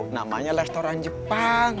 namanya restoran jepang